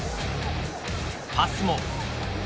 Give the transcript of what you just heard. パスも。